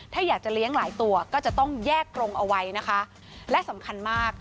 ถ้าอยากจะเลี้ยงหลายตัวก็จะต้องแยกกรงเอาไว้นะคะและสำคัญมาก